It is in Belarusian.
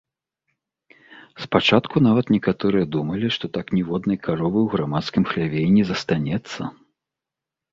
Спачатку нават некаторыя думалі, што так ніводнай каровы ў грамадскім хляве і не застанецца.